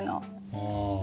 ああ。